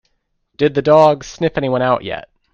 Did the dog sniff anyone out yet?